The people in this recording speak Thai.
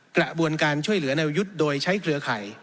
กระบวนการช่วยเหลือในวรยุทธ์โดยใช้เครือข่าย